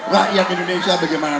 rakyat indonesia bagaimana